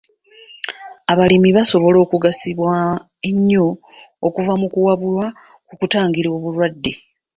Abalimi basobola okugasibwa ennyo okuva mu kuwabulwa ku kutangira obulwadde